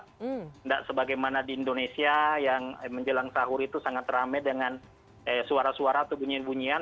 tidak sebagaimana di indonesia yang menjelang sahur itu sangat rame dengan suara suara atau bunyian bunyian